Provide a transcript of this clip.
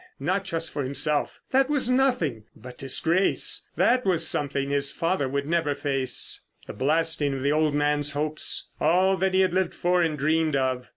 Not just for himself, that was nothing. But disgrace! That was something his father would never face. The blasting of the old man's hopes. All that he had lived for and dreamed of.